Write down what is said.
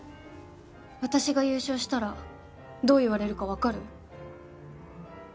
私が優勝したらどう言われるかわかる？